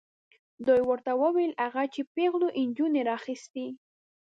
دوی ورته وویل هغه چې پیغلو نجونو راخیستې.